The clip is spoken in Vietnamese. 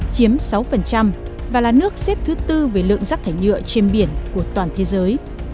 chiếm sáu và là nước xếp thứ bốn về lượng rắc thải nhựa trên biển của toàn thế giới